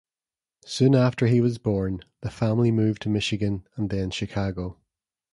Soon after he was born, the family moved to Michigan, and then Chicago.